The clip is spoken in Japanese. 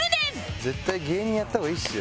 絶対芸人やった方がいいですよ。